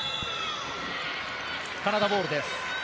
カナダボールです。